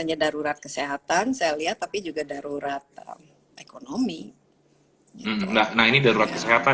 hanya darurat kesehatan saya lihat tapi juga darurat ekonomi enggak nah ini darurat kesehatan